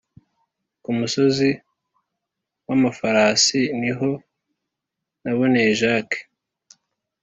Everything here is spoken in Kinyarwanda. kumusozi wamafarasi niho naboneye jack